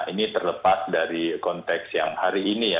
ini terlepas dari konteks yang hari ini ya